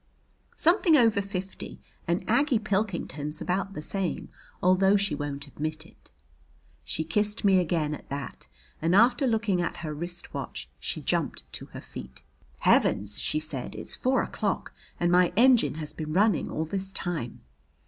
"Something over fifty and Aggie Pilkington's about the same, although she won't admit it." She kissed me again at that, and after looking at her wrist watch she jumped to her feet. "Heavens!" she said. "It's four o'clock and my engine has been running all this time!"